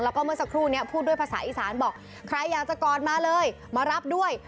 แล้วก็เมื่อสักครู่นี้พูดด้วยภาษาอีสานบอกใครอยากจะกอดมาเลยมารับด้วย